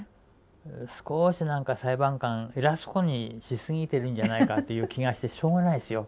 少し何か裁判官偉そうにしすぎてるんじゃないかっていう気がしてしょうがないですよ。